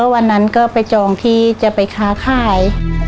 วันนั้นก็ไปจองที่จะไปค้าขาย